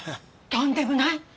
とんでもない！